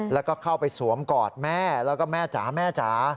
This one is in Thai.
แล้วก็เข้าไปสวมกอดแม่แล้วก็แม่จ๋าแม่จ๋า